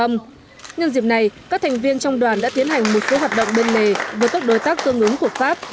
nhân dịp này các thành viên trong đoàn đã tiến hành một số hoạt động bên lề với các đối tác tương ứng của pháp